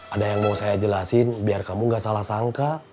ada yang mau saya jelasin biar kamu gak salah sangka